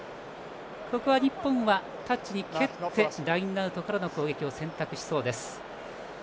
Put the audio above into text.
ここは日本がタッチに蹴ってラインアウトからの攻撃を選択しそうです。